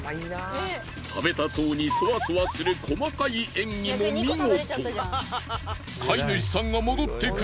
食べたそうにソワソワする細かい演技も見事。